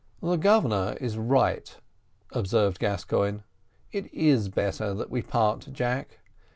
"The Governor is right," observed Gascoigne; "it is better that we part, Jack.